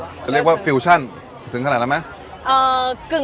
มันลี่ล่ะคือเพราะว่าฟิวชั่นถึงขนาดนั้นไหม